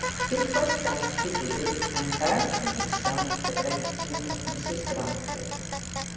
'Twas thus he did it; and earned for himself the gratitude of Mrs Grantly.